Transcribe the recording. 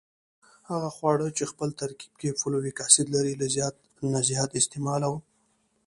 هغه خواړه چې خپل ترکیب کې فولک اسید لري له زیات نه زیات استعمال